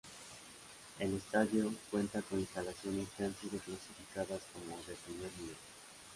El estadio cuenta con instalaciones que han sido calificadas como "de primer nivel".